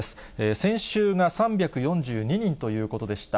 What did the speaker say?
先週が３４２人ということでした。